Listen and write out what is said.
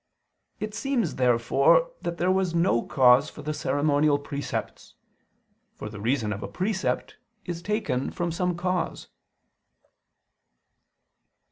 It seems therefore that there was no cause for the ceremonial precepts: for the reason of a precept is taken from some cause.